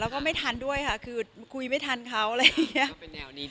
แล้วก็ไม่ทันด้วยค่ะคือคุยไม่ทันเขาอะไรอย่างนี้